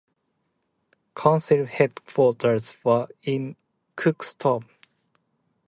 Council headquarters were in Cookstown.